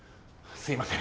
すいません